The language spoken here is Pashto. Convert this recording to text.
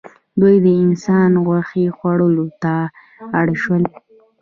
دوی د انسان غوښې خوړلو ته اړ شول.